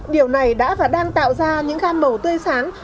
điều này đã và đang tạo ra những gam màu tươi sáng